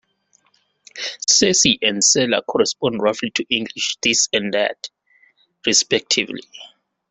"Ceci" and "cela" correspond roughly to English "this" and "that," respectively.